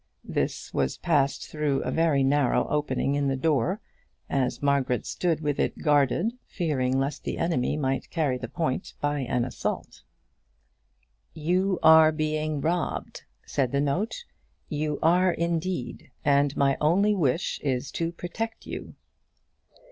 This was passed through a very narrow opening in the door, as Margaret stood with it guarded, fearing lest the enemy might carry the point by an assault. "You are being robbed," said the note, "you are, indeed, and my only wish is to protect you."